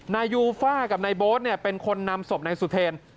นายยูฟ่ากับนายโบ๊ทเป็นคนนำศพนายสุเทรน